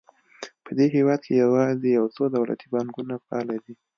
په دې هېواد کې یوازې یو څو دولتي بانکونه فعال دي.